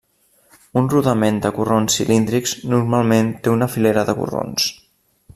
Un rodament de corrons cilíndrics normalment té una filera de corrons.